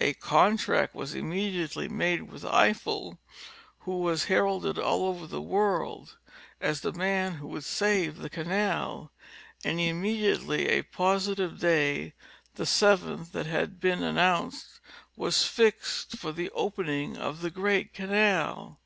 A contract was immediately made with Eiffel, who was heralded all over the world as the man who would save the canal, and immediately a positive day, the seventh that had been an nounced, was fixed for the opening of the great canal.